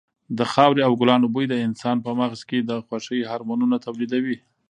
د خاورې او ګلانو بوی د انسان په مغز کې د خوښۍ هارمونونه تولیدوي.